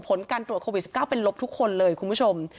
ผลการตรวจโควิด๑๙เป็นลบทุกคนเลยคุณผู้ชม